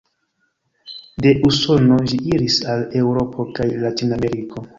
De Usono ĝi iris al Eŭropo kaj Latinameriko.